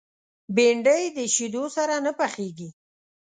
بېنډۍ د شیدو سره نه پخېږي